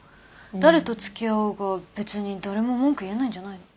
誰とつきあおうが別に誰も文句言えないんじゃないの？